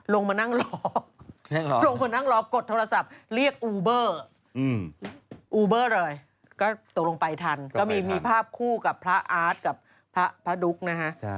ลงมานั่งรอลงมานั่งรอกดโทรศัพท์เรียกอูเบอร์อูเบอร์เลยก็ตกลงไปทันก็มีภาพคู่กับพระอาร์ตกับพระดุ๊กนะฮะ